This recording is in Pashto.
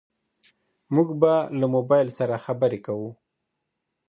موږ به له موبايل سره خبرې کوو.